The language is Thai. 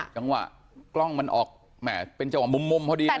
จังหวะกล้องมันออกแหม่เป็นจังหวะมุมเท่าดีนะครับ